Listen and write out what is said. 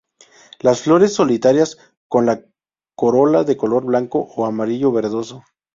Las flores solitarias con la corola de color blanco o amarillo verdoso.